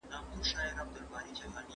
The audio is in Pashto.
په زرینو تورو لیکي